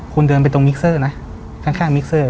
คุณเดินไปตรงมิกเซอร์นะข้างมิกเซอร์